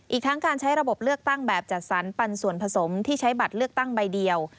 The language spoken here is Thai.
อีกทั้งการใช้ระบบเลือกตั้งแบบจัดสรรปันส่วนผสมที่ใช้บัตรเลือกตั้งใบเดียว